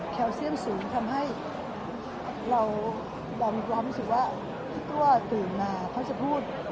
เซียนสูงทำให้เรามีความรู้สึกว่าพี่กลัวตื่นมาเขาจะพูด